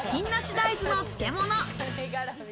大豆の漬物。